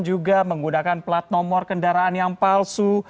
juga menggunakan plat nomor kendaraan yang palsu